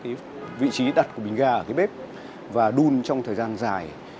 cái vị trí đặt của bình ga ở cái bếp và đun trong thời gian dài